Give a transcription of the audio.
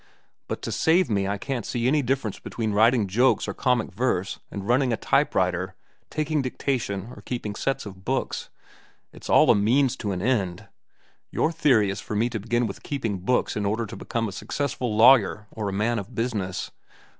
But to save me I can't see any difference between writing jokes or comic verse and running a type writer, taking dictation, or keeping sets of books. It is all a means to an end. Your theory is for me to begin with keeping books in order to become a successful lawyer or man of business.